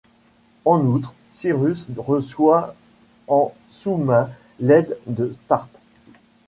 En outre, Cyrus reçoit en sous-main l'aide de Sparte.